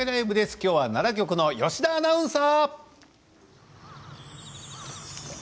きょうは奈良局の吉田アナウンサー。